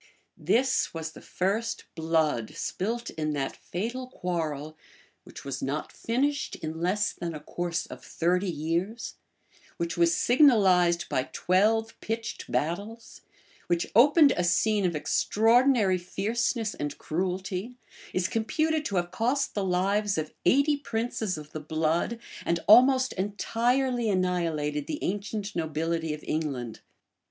This was the first blood spilt in that fatal quarrel which was not finished in less than a course of thirty years, which was signalized by twelve pitched battles, which opened a scene of extraordinary fierceness and cruelty, is computed to have cost the lives of eighty princes of the blood, and almost entirely annihilated the ancient nobility of England.